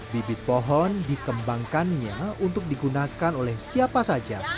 bibit pohon dikembangkannya untuk digunakan oleh siapa saja